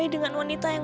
ini hpnya evita kan